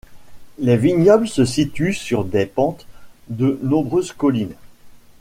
Les vignobles se situent sur des pentes de nombreuses collines.